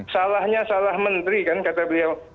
salahnya salah menteri kan kata beliau